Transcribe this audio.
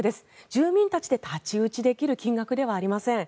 住民たちで太刀打ちできる金額ではありません。